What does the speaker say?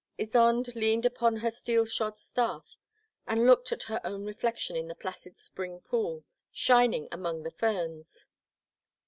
Ysonde leaned upon her steel shod staff and looked at her own reflec tion in the placid spring pool, shining among the ferns.